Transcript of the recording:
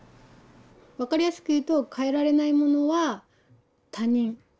分かりやすく言うと変えられないものは他人。